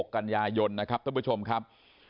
กันยายนนะครับท่านผู้ชมครับ